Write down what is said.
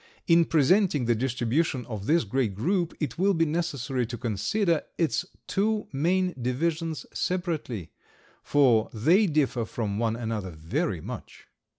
In presenting the distribution of this great group, it will be necessary to consider its two main divisions separately, for they differ from one another very much.